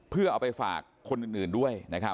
เพื่อเอาไปฝากคนอื่นด้วย